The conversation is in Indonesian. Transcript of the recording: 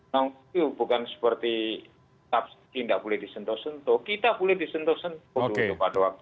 nongkuyuh bukan seperti tak boleh disentuh sentuh kita boleh disentuh sentuh